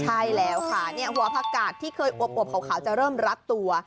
ใช่แล้วค่ะหัวผักกาดที่เคยอวบขาวจะเริ่มรัดตัว